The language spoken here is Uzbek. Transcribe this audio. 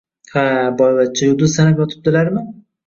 Ha boyvachcha yulduz sanab yotibdilarmi?